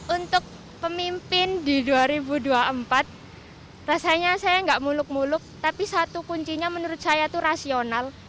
untuk pemimpin di dua ribu dua puluh empat rasanya saya nggak muluk muluk tapi satu kuncinya menurut saya itu rasional